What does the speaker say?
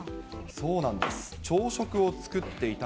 そうなんです。